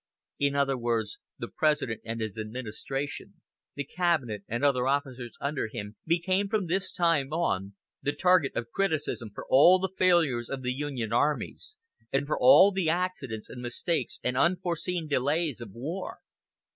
In other words, the President and his "administration" the cabinet and other officers under him became, from this time on, the target of criticism for all the failures of the Union armies, and for all the accidents and mistakes and unforeseen delays of war.